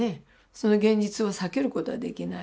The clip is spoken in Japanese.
その現実を避けることはできない。